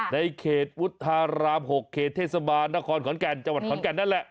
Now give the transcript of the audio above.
ในเขตวุฒาราม๖เขตเทศบาลนครขอนแก่นจังหวัดขอนแก่นนั่นแหละ